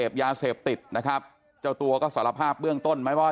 ๖โมงเช้ามาอยู่ตรงนี้แหละ